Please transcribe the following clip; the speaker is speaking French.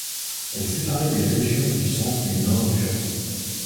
Elle séparait les régions du centre et du nord du Japon.